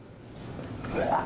うわっ！